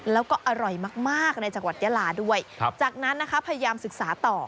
แล้วก็อร่อยมากในจังหวัดยาลาด้วยจากนั้นนะคะพยายามศึกษาต่อ